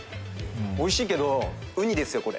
おいしいけどウニですよこれ。